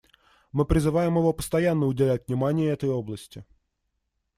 Мы призываем его постоянно уделять внимание этой области.